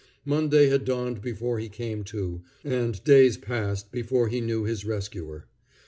Monday had dawned before he came to, and days passed before he knew his rescuer.